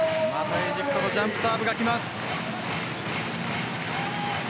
エジプトのジャンプサーブがきます。